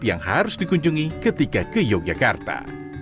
yang harus dikunjungi ketika ke yogyakarta